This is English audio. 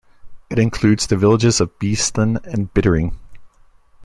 It includes the villages of Beeston and Bittering.